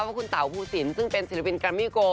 ว่าคุณตาวฟูสินซึ่งเป็นศิลปินกรามมี่โก